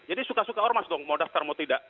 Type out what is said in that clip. jadi suka suka ormas dong mau daftar mau tidak